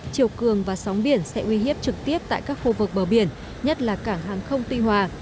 chiều cường và sóng biển sẽ uy hiếp trực tiếp tại các khu vực bờ biển nhất là cảng hàng không tuy hòa